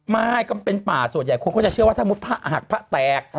ไม่ก็เป็นป่าส่วนใหญ่ความเข้าใจเชื่อว่าถ้าพระหักพระแตก